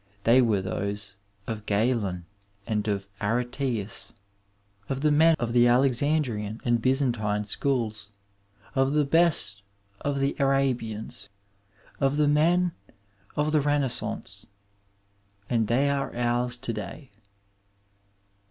They were those of Qalen and of AretsBus, of the men of the Alexandrian and Byzantine schools, of the best of the Arabians, of the men of the Renaissance, and they are ouis to day.